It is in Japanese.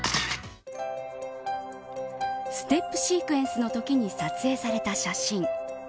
ステップシークエンスのときに撮影された写真。